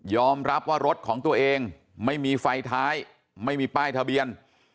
รับว่ารถของตัวเองไม่มีไฟท้ายไม่มีป้ายทะเบียน